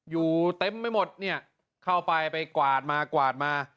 อยู่เต็มไปหมดเนี่ยเข้าไปไปกวาดมากวาดมา